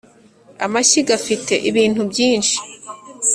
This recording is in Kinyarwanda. amashyiga afite ibintu byinshi.